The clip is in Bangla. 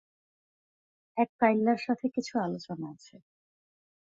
এক কাইল্লার সাথে কিছু আলোচনা আছে।